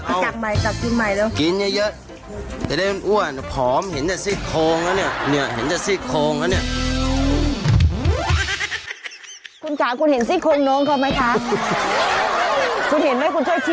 คุณเห็นมั้ยคุณเจ้าชี้ให้ดีฉันดูเนี่ยค่ะ